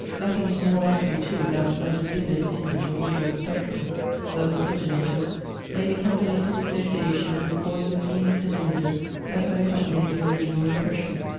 Nothing is more likely too, than that a vivid image or visual spectrum, thus originated, may become the link of association in recalling the feelings and images that had accompanied the original impression.